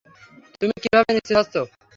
তুমি কীভাবে নিশ্চিত হচ্ছ?